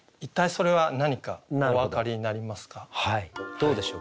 どうでしょう？